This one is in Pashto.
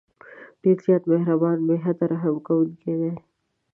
ډېر زیات مهربان، بې حده رحم كوونكى دى.